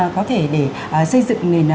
có thể để xây dựng nền